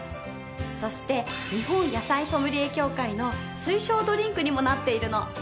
そして日本野菜ソムリエ協会の推奨ドリンクにもなっているの。